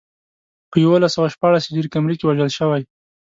په یولس سوه شپاړس هجري قمري کې وژل شوی.